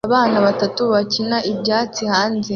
Abana batatu bakina ibyatsi hanze